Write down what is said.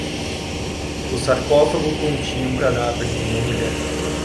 O sarcófago continha o cadáver de uma mulher.